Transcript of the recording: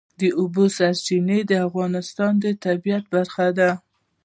د اوبو سرچینې د افغانستان د طبیعت برخه ده.